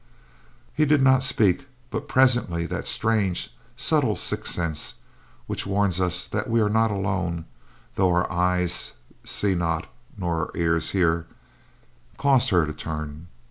He did not speak, but presently that strange, subtle sixth sense which warns us that we are not alone, though our eyes see not nor our ears hear, caused her to turn.